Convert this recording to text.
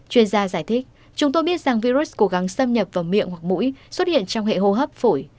chuyên gia giải thích chúng tôi biết rằng virus cố gắng xâm nhập vào miệng hoặc mũi xuất hiện trong hệ hô hấp phổi